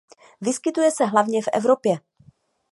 Vyskytuje se hlavně v Evropě.